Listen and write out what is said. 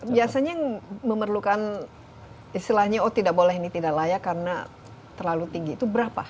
biasanya yang memerlukan istilahnya oh tidak boleh ini tidak layak karena terlalu tinggi itu berapa